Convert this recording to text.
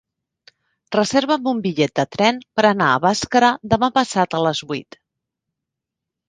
Reserva'm un bitllet de tren per anar a Bàscara demà passat a les vuit.